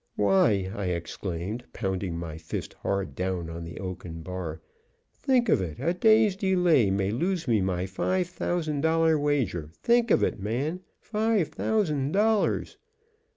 "Why!" I exclaimed, pounding my fist hard down on the oaken bar, "think of it! a day's delay may lose me my five thousand dollar wager. THINK OF IT, MAN! FIVE THOUSAND DOLLARS!!"